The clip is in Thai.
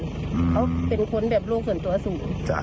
เขาเป็นคนแบบโลกส่วนตัวสูง